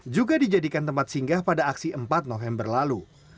juga dijadikan tempat singgah pada aksi empat november lalu